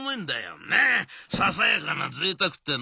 まあささやかなぜいたくってえの？